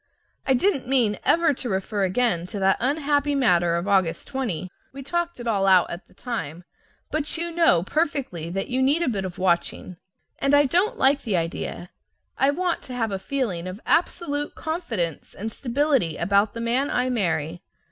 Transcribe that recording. I didn't mean ever to refer again to that unhappy matter of August 20, we talked it all out at the time, but you know perfectly that you need a bit of watching. And I don't like the idea. I want to have a feeling of absolute confidence and stability about the man I marry.